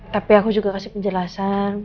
tapi aku juga kasih penjelasan